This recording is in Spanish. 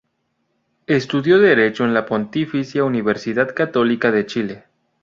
Estudió Derecho en la Pontificia Universidad Católica de Chile.